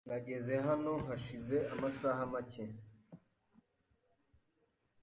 Nageze hano hashize amasaha make.